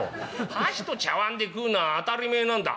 箸と茶わんで食うのは当たり前なんだ。